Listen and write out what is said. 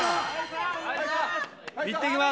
行ってきます！